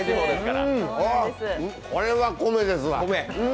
これは米ですわ。